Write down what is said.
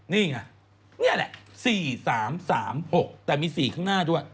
นี่ไงนี่แหละ๔๓๓๖แต่มี๔ข้างหน้าด้วย